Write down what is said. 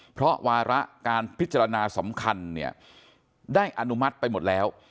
เพราะวาระการพิจารณาสำคัญเนี่ยได้อนุมัติไปหมดแล้ว